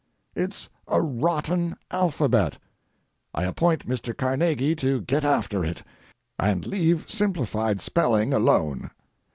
It's a rotten alphabet. I appoint Mr. Carnegie to get after it, and leave simplified spelling alone.